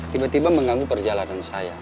tiba tiba mengganggu perjalanan saya